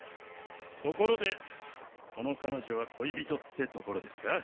ところでこの彼女は恋人ってところですか？